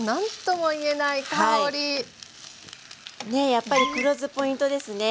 やっぱり黒酢ポイントですね。